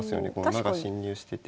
馬が侵入してて。